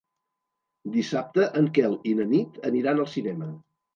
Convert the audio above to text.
Dissabte en Quel i na Nit aniran al cinema.